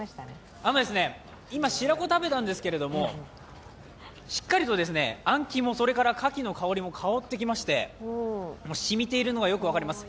今、白子、食べたんですけど、しっかりとあん肝、それからかきの香りも香ってきましてしみているのがよく分かります。